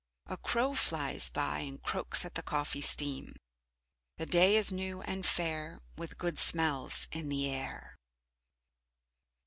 A crow flies by and croaks at the coffee steam. The day is new and fair with good smells in the air.